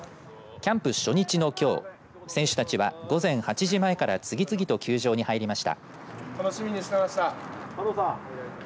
キャンプ初日のきょう選手たちは午前８時前から次々と球場に入りました。